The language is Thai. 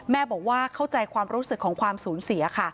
แม่บอกว่าเข้าใจความรู้สึกของความสูญเสียค่ะ